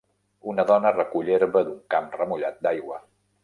Una dona recull herba d'un camp remullat d'aigua